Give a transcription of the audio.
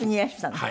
はい。